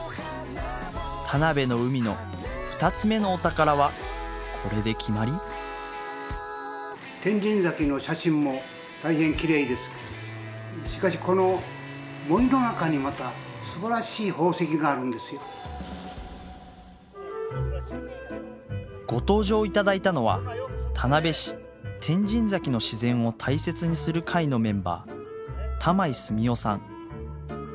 田辺の海の２つ目のお宝はこれで決まり？ご登場いただいたのは田辺市天神崎の自然を大切にする会のメンバー玉井済夫さん。